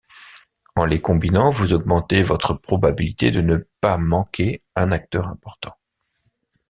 En les combinant vous augmenter votre probabilité de ne pas manquer un acteur important.